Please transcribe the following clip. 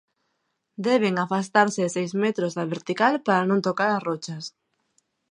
Deben afastarse seis metros da vertical para non tocar as rochas.